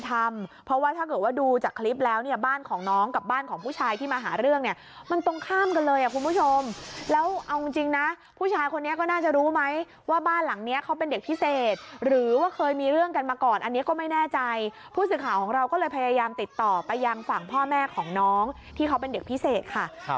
แต่คนนี้ก็น่าจะรู้ไหมว่าบ้านหลังเนี้ยเขาเป็นเด็กพิเศษหรือว่าเคยมีเรื่องกันมาก่อนอันนี้ก็ไม่แน่ใจผู้สื่อข่าวของเราก็เลยพยายามติดต่อไปยังฝั่งพ่อแม่ของน้องที่เขาเป็นเด็กพิเศษค่ะ